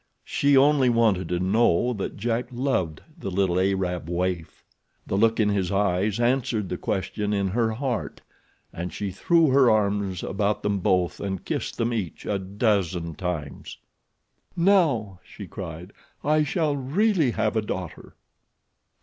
She only wanted to know that Jack loved the little Arab waif. The look in his eyes answered the question in her heart, and she threw her arms about them both and kissed them each a dozen times. "Now," she cried, "I shall really have a daughter!"